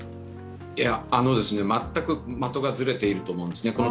いや、全く的がずれていると思うんですね。